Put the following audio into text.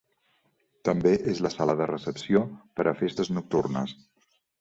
També és la sala de recepció per a festes nocturnes.